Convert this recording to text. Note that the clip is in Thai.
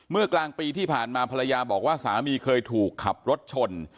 กลางปีที่ผ่านมาภรรยาบอกว่าสามีเคยถูกขับรถชน